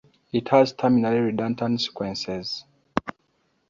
It has terminally redundant sequences.